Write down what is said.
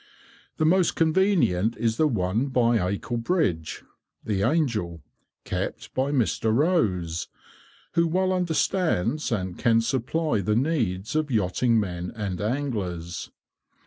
The most convenient is the one by Acle bridge (the "Angel"), kept by Mr. Rose, who well understands and can supply the needs of yachting men and anglers.